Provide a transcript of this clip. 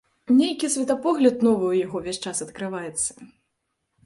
Нейкі светапогляд новы ў яго ўвесь час адкрываецца.